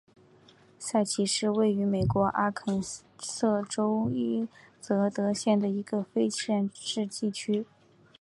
塞奇是位于美国阿肯色州伊泽德县的一个非建制地区。